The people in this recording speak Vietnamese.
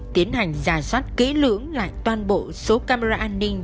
tiến hành giả soát kỹ lưỡng lại toàn bộ số camera an ninh